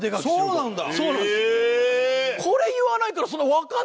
そうなんだ。